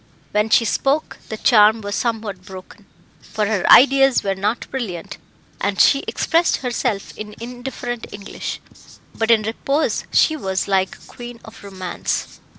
When she spoke the charm was somewhat broken, for her ideas were not brilliant, and she expressed herself in indifferent English; but in repose she was like a queen of romance.